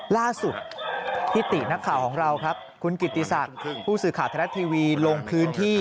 ล่าสุดพี่ตินักข่าวของเราครับคุณกิติศักดิ์ผู้สื่อข่าวทรัฐทีวีลงพื้นที่